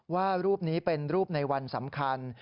ว่ารูปนี้เป็นรูปในวันสำคัญ